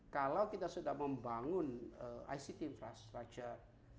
kalau kita sudah membangun ict infrastructure